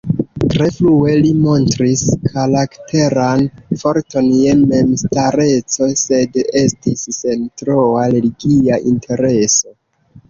Tre frue li montris karakteran forton je memstareco sed estis sen troa religia intereso.